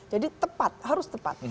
jadi tepat harus tepat